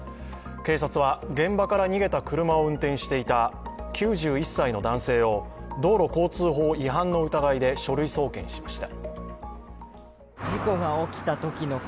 警察は、現場から逃げた車を運転していた９１歳の男性を、道路交通法違反の疑いで書類送検しました。